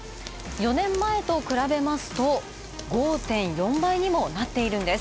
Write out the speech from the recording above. ４年前と比べますと、５．４倍にもなっているんです。